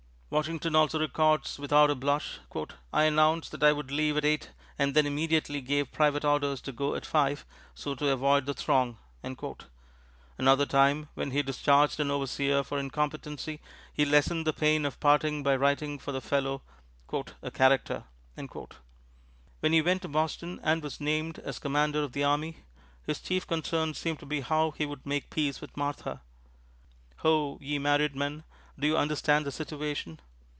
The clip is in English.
Washington also records without a blush, "I announced that I would leave at 8 and then immediately gave private Orders to go at 5, so to avoid the Throng." Another time when he discharged an overseer for incompetency he lessened the pain of parting by writing for the fellow "a Character." When he went to Boston and was named as Commander of the Army, his chief concern seemed to be how he would make peace with Martha. Ho! ye married men! do you understand the situation?